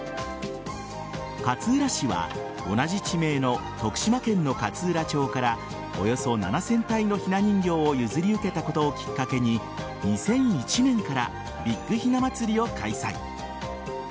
勝浦市は同じ地名の徳島県の勝浦町からおよそ７０００体のひな人形を譲り受けたことをきっかけに２００１年からビッグひな祭りを開催。